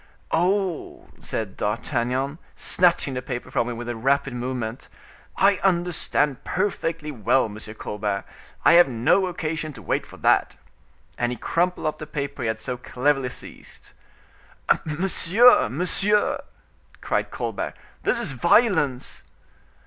"Oh!" said D'Artagnan, snatching the paper from him with a rapid movement; "I understand perfectly well, M. Colbert; I have no occasion to wait for that." And he crumpled up the paper he had so cleverly seized. "Monsieur, monsieur!" cried Colbert, "this is violence!"